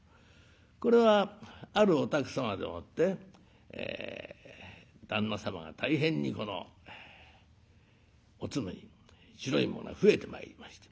これはあるお宅様でもって旦那様が大変にこのおつむに白いものが増えてまいりました。